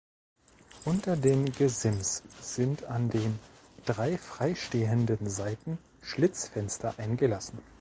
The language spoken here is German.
Unter dem Gesims sind an den drei freistehenden Seiten Schlitzfenster eingelassen.